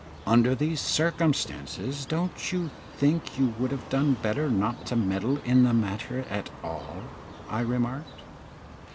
"Under these circumstances, don't you think you would have done better not to meddle in the matter at all?" I remarked.